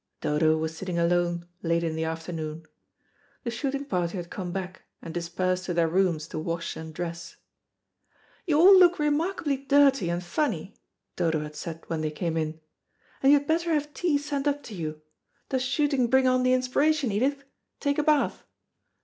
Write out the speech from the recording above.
Dodo was sitting alone late in the afternoon. The shooting party had come back, and dispersed to their rooms to wash and dress. "You all look remarkably dirty and funny," Dodo had said when they came in, "and you had better have tea sent up to you. Does shooting bring on the inspiration, Edith? Take a bath."